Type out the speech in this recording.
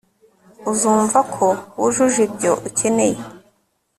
uzumva ko wujuje ibyo ukeneye